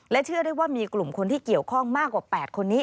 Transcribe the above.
เชื่อได้ว่ามีกลุ่มคนที่เกี่ยวข้องมากกว่า๘คนนี้